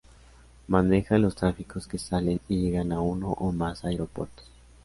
Maneja los tráficos que salen y llegan a uno o más aeropuertos.